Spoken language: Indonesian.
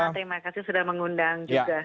terima kasih sudah mengundang juga